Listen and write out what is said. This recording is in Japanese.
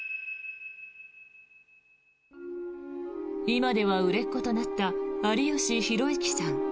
今では売れっ子となった有吉弘行さん